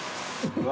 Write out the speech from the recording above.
うわ！